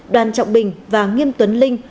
đoàn trọng bình và nghiêm tuấn linh